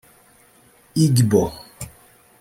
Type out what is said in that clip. Igbo